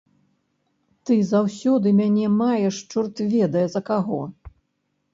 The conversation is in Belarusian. Ты заўсёды мяне маеш чорт ведае за каго.